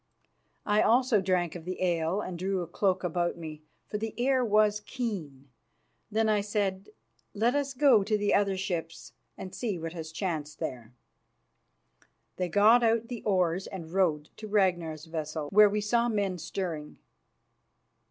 I also drank of the ale and drew a cloak about me, for the air was keen. Then I said, "Let us go to the other ships and see what has chanced there." They got out the oars and rowed to Ragnar's vessel, where we saw men stirring.